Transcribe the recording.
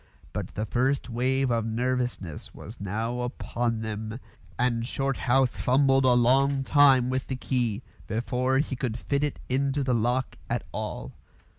But the first wave of nervousness was now upon them, and Shorthouse fumbled a long time with the key before he could fit it into the lock at all.